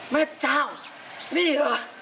แม่เจ้านี่เหรอ